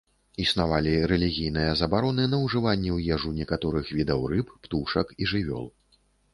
Існавалі рэлігійныя забароны на ўжыванне ў ежу некаторых відаў рыб, птушак і жывёл.